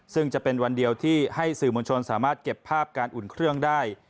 ซึ่งจะเป็นวันเดียวที่ให้สื่อมวลชนสามารถเก็บภาพการอุ่นเครื่องได้